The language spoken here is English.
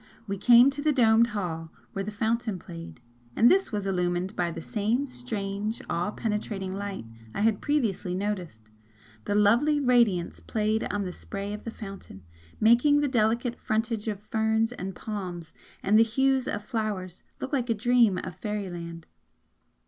We came to the domed hall where the fountain played, and this was illumined by the same strange all penetrating light I had previously noticed, the lovely radiance played on the spray of the fountain, making the delicate frondage of ferns and palms and the hues of flowers look like a dream of fairyland.